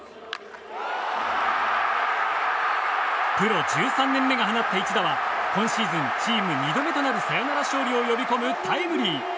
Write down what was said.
プロ１３年目が放った一打は今シーズン、チーム２度目となるサヨナラ勝利を呼び込むタイムリー。